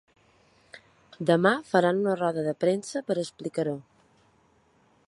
Demà faran una roda de premsa per explicar-ho.